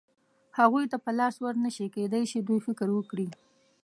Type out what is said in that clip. هغوی ته په لاس ور نه شي، کېدای شي دوی فکر وکړي.